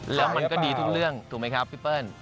แล้วมันก็ดีทุกเรื่องถูกไหมครับพี่เปิ้ล